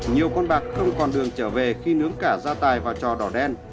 nhiều con bạc không còn đường trở về khi nướng cả da tài và trò đỏ đen